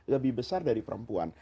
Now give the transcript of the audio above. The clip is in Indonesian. lebih besar dari perempuan